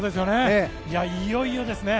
いよいよですね。